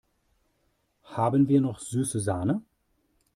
Haben wir noch süße Sahne?